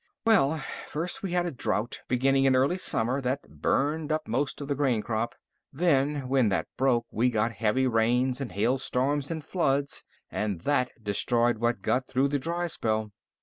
"Well, first we had a drought, beginning in early summer, that burned up most of the grain crop. Then, when that broke, we got heavy rains and hailstorms and floods, and that destroyed what got through the dry spell.